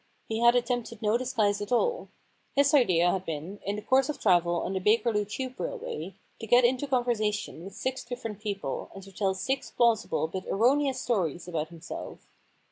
He had attempted no disguise at all. His idea had been, in the course of travel on the Bakerloo Tube railway, to get into conver sation with six different people and to tell six plausible but erroneous stories about him self.